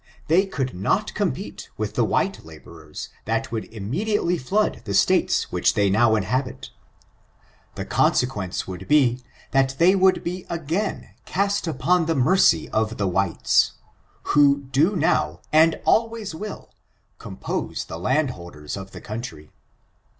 They could not compete with the white laborers that would immediately flood the States which they now inhabit. The consequence would be, that they would be again cast upon the mercy of the whites, who do now, and always will, compose the landholders of the country.